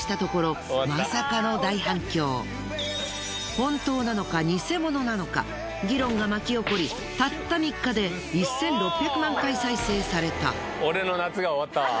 本当なのか偽物なのか議論が巻き起こりたった３日で１６００万回再生された。